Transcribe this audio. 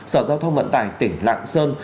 sở giao thông vận tải tỉnh lạng sơn